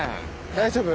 大丈夫？